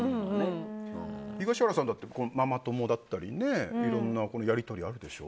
東原さんだってママ友だったりいろんなやり取り、あるでしょ？